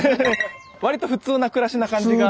わりと普通な暮らしな感じが。